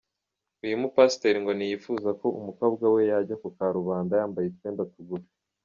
Uyu mupasiteri ngo ntiyifuza ko umukobwa we ajya ku karubanda yambaye utwenda tugufi.